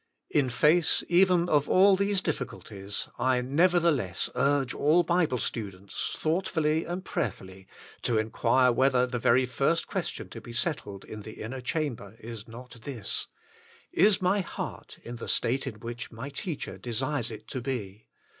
In face even of all these difficulties, I, nevertheless, urge all Bible students, thoughtfully and prayerfully to enquire whether the very first question to be settled in the inner chamber is not this: Is my heart in the state in which my Teacher desires it to be